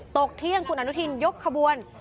ตกเที่ยงคุณอนุทินยกขบวน